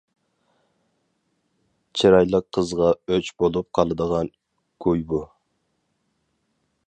چىرايلىق قىزغا ئۆچ بولۇپ قالىدىغان گۇي بۇ!